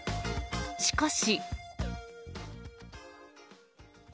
しかし。